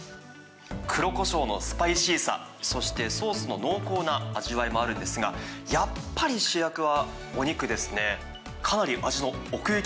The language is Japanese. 黒こしょうのスパイシーさ、そしてソースの濃厚な味わいもあるんですが、やっぱり主役はお肉ですね。